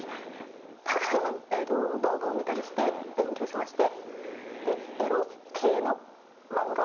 たくさん動画を見たりして勉強しまして。